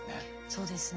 そうですね。